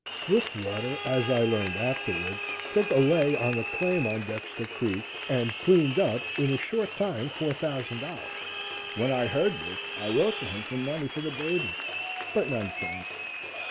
Swiftwater, as I learned afterwards, took a lay on a claim on Dexter Creek and cleaned up in a short time $4,000. When I heard this, I wrote to him for money for the baby, but none came.